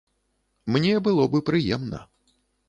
Мне было бы прыемна.